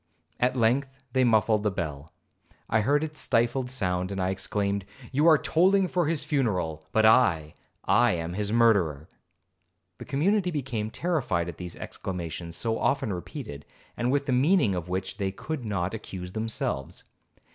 At length they muffled the bell. I heard its stifled sound, and I exclaimed, 'You are tolling for his funeral, but I,—I am his murderer!' The community became terrified at these exclamations so often repeated, and with the meaning of which they could not accuse themselves.